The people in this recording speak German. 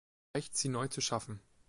Es reicht, sie neu zu schaffen.